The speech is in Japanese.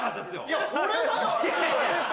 いやこれだよ？